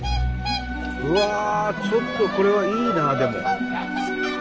うわちょっとこれはいいなあでも。